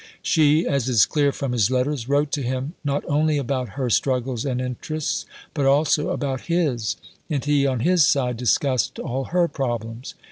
She, as is clear from his letters, wrote to him, not only about her struggles and interests, but also about his; and he, on his side, discussed all her problems.